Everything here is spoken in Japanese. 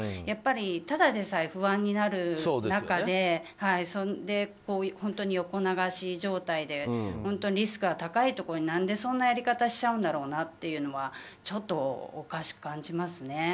やっぱりただでさえ不安になる中で横流し状態でリスクが高いところになんで、そんなやり方しちゃうんだろうなってちょっとおかしく感じますね。